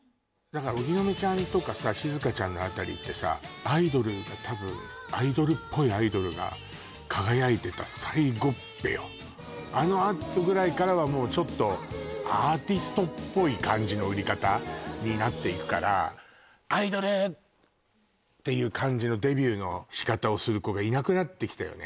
荻野目ちゃんとかさ静香ちゃんのあたりってさアイドルが多分アイドルっぽいアイドルが輝いてた最後っぺよあのあとぐらいからはもうちょっとアーティストっぽい感じの売り方になっていくから「アイドル」っていう感じのデビューの仕方をする子がいなくなってきたよね